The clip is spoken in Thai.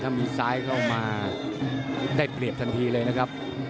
ถ้ามีซ้ายเข้ามาได้เปรียบทันทีเลยนะครับ